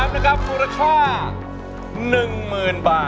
ร้องได้ร้องได้ร้องได้ร้องได้ร้องได้ร้องได้